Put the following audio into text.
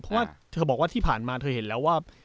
เพราะว่าเธอบอกว่าที่ผ่านมาเธอเห็นแล้วว่า